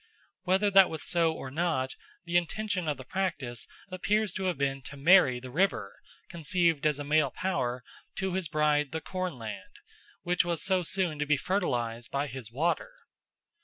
Whether that was so or not, the intention of the practice appears to have been to marry the river, conceived as a male power, to his bride the cornland, which was so soon to be fertilised by his water.